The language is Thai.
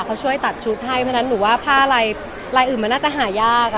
เขาช่วยตัดชุดให้เพราะฉะนั้นหนูว่าผ้าลายลายอื่นมันน่าจะหายาก